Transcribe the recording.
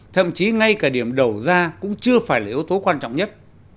thậm chí ngay cả điểm đầu ra cũng chưa phải là yếu tố quan trọng nhất